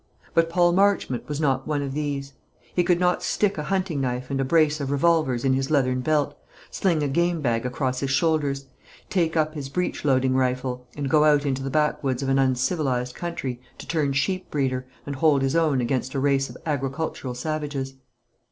But Paul Marchmont was not one of these. He could not stick a hunting knife and a brace of revolvers in his leathern belt, sling a game bag across his shoulders, take up his breech loading rifle, and go out into the backwoods of an uncivilised country, to turn sheep breeder, and hold his own against a race of agricultural savages.